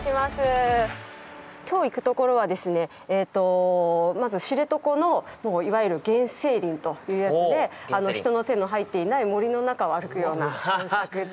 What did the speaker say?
きょう行くところはですね、まず知床のいわゆる原生林というやつで人の手の入っていない森の中を歩くような散策で。